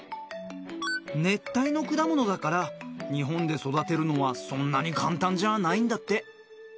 熱帯の果物だから日本で育てるのはそんなに簡単じゃないんだって。